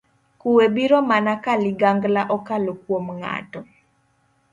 Kuwe biro mana ka ligangla okalo kuom ng'ato.